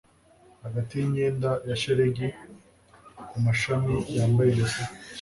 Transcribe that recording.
hagati yimyenda ya shelegi kumashami yambaye ubusa